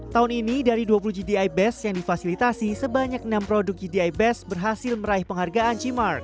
tahun ini dari dua puluh gdi best yang difasilitasi sebanyak enam produk gdi best berhasil meraih penghargaan c mark